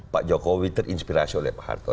pak jokowi terinspirasi oleh pak harto